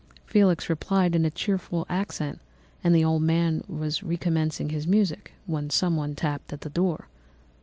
Felix replied in a cheerful accent, and the old man was recommencing his music when someone tapped at the door.